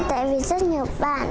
tại vì rất nhiều bạn